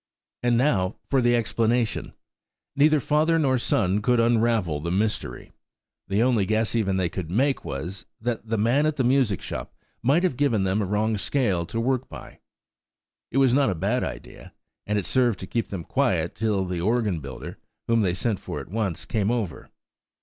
And now for the explanation. Neither father nor son could unravel the mystery. The only guess even that they could make was, that the man at the music shop might have given them a wrong scale to work by. It was not a bad idea, and it served to keep them quiet till the organ builder, whom they sent for at once, came over.